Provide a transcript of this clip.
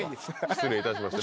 失礼いたしました。